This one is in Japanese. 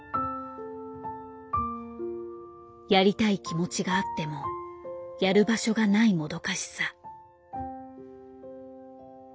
やりたい気持ちがあってもやる場所がないもどかしさ。